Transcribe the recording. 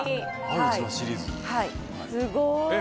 すごい。